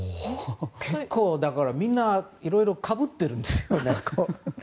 結構、みんないろいろかぶってるんですよね。